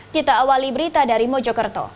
kita awali berita dari mojokerto